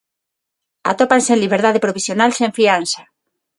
Atópanse en liberdade provisional sen fianza.